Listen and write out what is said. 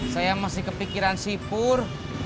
saya masih kepikiran sipur